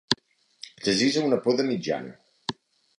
Precisa una poda mitjana.